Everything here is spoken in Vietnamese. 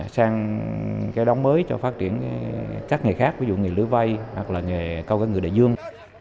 sang cái đóng mới cho phát triển các nghề khác ví dụ nghề lưới vây hoặc là nghề câu cá ngừ đại dương